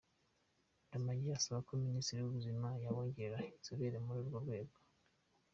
Ndamage asaba ko Minisiteri y’Ubuzima yabongerera inzobere muri urwo rwego.